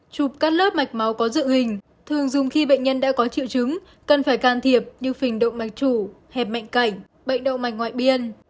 chụp cắt lớp mạch máu có dự hình thường dùng khi bệnh nhân đã có triệu chứng cần phải can thiệp như phình động mạch chủ hẹp mạnh cảnh bệnh đậu mạch ngoại biên